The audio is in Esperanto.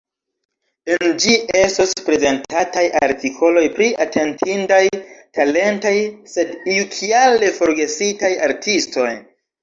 En ĝi estos prezentataj artikoloj pri atentindaj, talentaj, sed iukiale forgesitaj artistoj.